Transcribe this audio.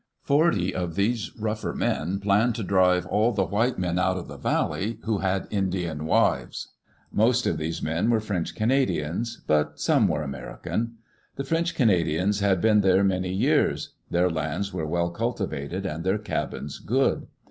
Forty of these rougher men planned to drive all the white men out of the valley who had Indian wives. Most of these men were French Canadian, but some were Ameri can. The French Canadians had been there many years; their lands were well cultivated, and their cabins good.